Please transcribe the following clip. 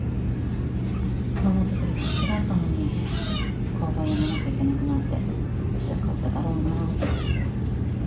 ものづくりが好きだったのに工場やめなきゃいけなくなってつらかっただろうなって。